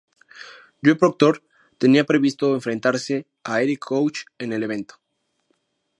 Joe Proctor tenía previsto enfrentarse a Erik Koch en el evento.